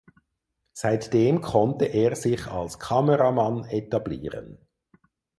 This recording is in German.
Seitdem konnte er sich als Kameramann etablieren.